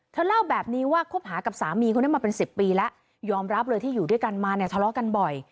เล่าแบบนี้ว่าคบหากับสามีคนนี้มาเป็นสิบปีแล้วยอมรับเลยที่อยู่ด้วยกันมาเนี่ยทะเลาะกันบ่อย